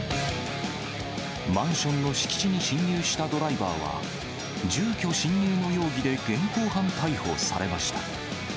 マンションの敷地に侵入したドライバーは、住居侵入の容疑で現行犯逮捕されました。